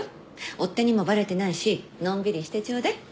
追っ手にもバレてないしのんびりしてちょうだい。